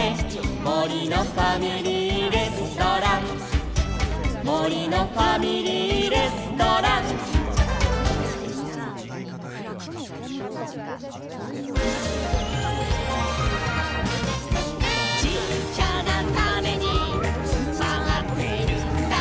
「もりのファミリーレストラン」「もりのファミリーレストラン」「ちっちゃなタネにつまってるんだ」